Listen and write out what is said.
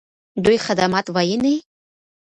دوی خدمات ویني؟